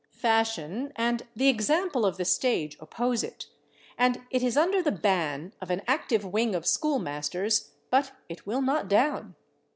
Fashion and the example of the stage oppose it, and it is under the ban of an active wing of schoolmasters, but it will not down.